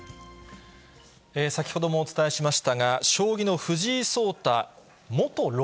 先ほどもお伝えしましたが、将棋の藤井聡太元六